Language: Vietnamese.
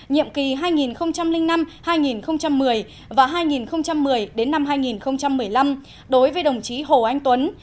nhiệm kỳ hai nghìn năm hai nghìn một mươi và hai nghìn một mươi hai nghìn một mươi năm đối với đồng chí hồ anh tuấn